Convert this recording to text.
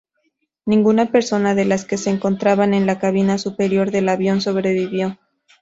Ninguna persona de las que se encontraban en la cabina superior del avión sobrevivió.